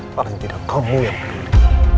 paling tidak kamu yang peduli